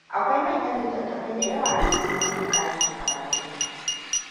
Akwai manyan littattafai da yawa a cikin wannan ɗakin karatu.